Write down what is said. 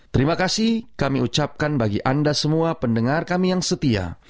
terima kasih kami ucapkan bagi anda semua pendengar kami yang setia